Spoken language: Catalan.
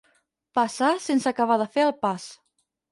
Passar sense acabar de fer el pas.